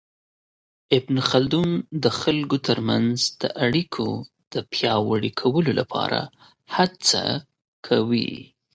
ابن خلدون د خلګو ترمنځ د اړیکو د پياوړي کولو لپاره هڅه کوي.